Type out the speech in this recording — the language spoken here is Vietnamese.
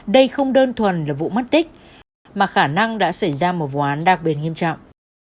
đây không đơn thuần là vụ mất tích mà khả năng đã xảy ra một vụ án đặc biệt nghiêm trọng